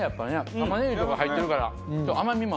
玉ねぎとか入ってるから甘みもあって。